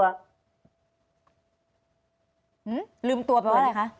ลืมตัวแปลว่าอะไรคะ